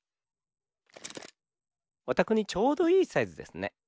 おたくにちょうどいいサイズですね。